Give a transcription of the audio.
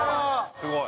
すごい。